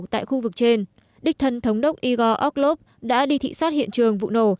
tại khu vực trên đích thân thống đốc igor oklov đã đi thị xát hiện trường vụ nổ